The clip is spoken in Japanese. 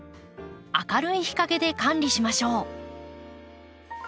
明るい日陰で管理しましょう。